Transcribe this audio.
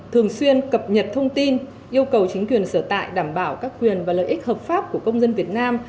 thường xuyên cập nhật thông tin yêu cầu chính quyền sở tại đảm bảo các quyền và lợi ích hợp pháp của công dân việt nam